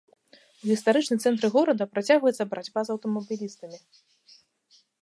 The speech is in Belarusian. У гістарычны цэнтры горада працягваецца барацьба з аўтамабілістамі.